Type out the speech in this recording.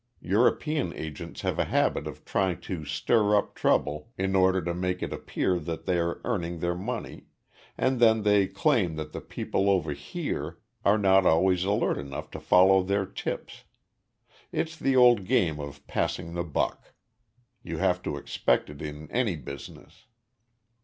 European agents have a habit of trying to stir up trouble in order to make it appear that they are earning their money and then they claim that the people over here are not always alert enough to follow their tips. It's the old game of passing the buck. You have to expect it in any business.